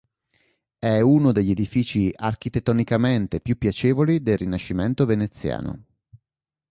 È uno degli edifici architettonicamente più piacevoli del rinascimento veneziano.